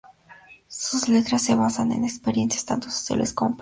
Sus letras se basan en experiencias tanto sociales como personales.